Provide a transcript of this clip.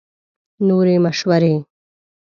نورې مشورې